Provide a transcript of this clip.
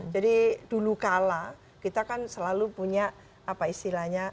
jadi dulu kala kita kan selalu punya apa istilahnya